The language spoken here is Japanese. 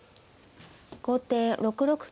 後手６六金。